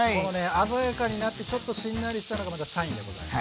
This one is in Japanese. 鮮やかになってちょっとしんなりしたのがまたサインでございます。